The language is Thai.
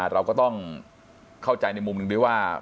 เราก็ต้องเข้าใจในมุมหนึ่งด้วยว่า